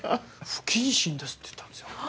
不謹慎ですって言ったんですよ。